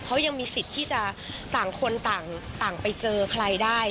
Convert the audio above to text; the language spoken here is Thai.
เขายังมีสิทธิ์ที่จะต่างคนต่างไปเจอใครได้